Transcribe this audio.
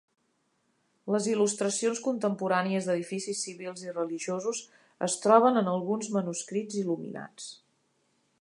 Les il·lustracions contemporànies d'edificis civils i religiosos es troben en alguns manuscrits il·luminats.